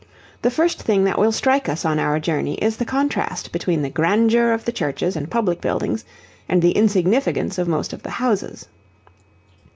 The first thing that will strike us on our journey is the contrast between the grandeur of the churches and public buildings and the insignificance of most of the houses.